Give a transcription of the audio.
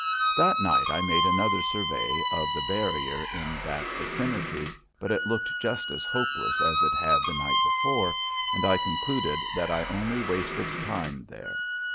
That night I made another survey of the barrier in that vicinity, but it looked just as hopeless as it had the night before, and I concluded that I only wasted time there.